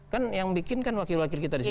kan yang bikin kan wakil wakil kita di sini